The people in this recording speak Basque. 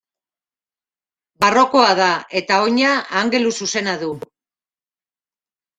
Barrokoa da eta oina angeluzuzena du.